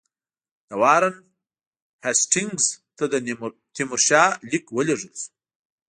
د وارن هېسټینګز ته د تیمورشاه لیک ولېږل شو.